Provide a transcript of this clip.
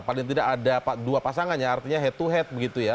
paling tidak ada dua pasangan ya artinya head to head begitu ya